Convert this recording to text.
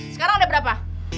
sekarang ada berapa